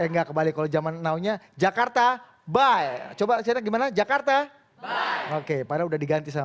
jangan kembali kalau zaman naunya jakarta by coba gimana jakarta oke pada udah diganti sama